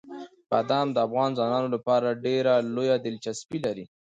بادام د افغان ځوانانو لپاره ډېره لویه دلچسپي لري.